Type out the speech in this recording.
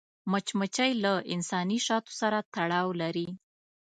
مچمچۍ له انساني شاتو سره تړاو لري